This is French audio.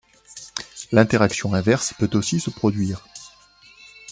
L'interaction inverse peut aussi se produire.